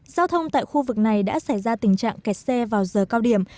giao thông tại khu vực này đã xảy ra tình trạng kẹt xe vào giờ cao điểm